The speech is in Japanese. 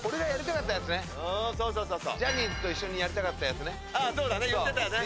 ジャニーズと一緒にやりたかった。